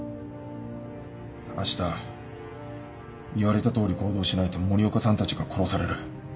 あした言われたとおり行動しないと森岡さんたちが殺される。